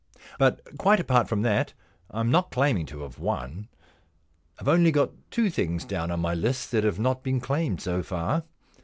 * But quite apart from that I'm not claiming to have won. I've only got two things down on my list that have not been claimed so far.